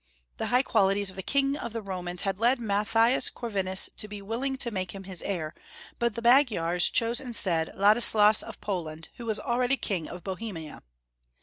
The high qualities of the King of the Romans had led Mat thias Corvinus to be willing to make him his heir, but the Magyars chose instead Ladislas of Poland, who was already King of Bohemia.